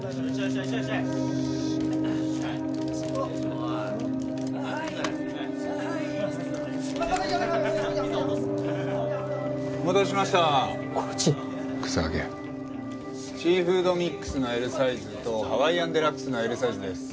シーフードミックスのＬサイズとハワイアンデラックスのＬサイズです。